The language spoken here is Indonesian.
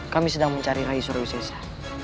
kami sedang mencari rai suriwisesa